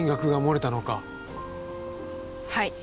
はい。